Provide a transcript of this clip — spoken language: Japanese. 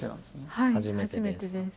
はい初めてです。